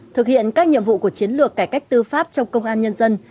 thực hiện các nhiệm vụ của chiến lược cải cách tư pháp trong công an nhân dân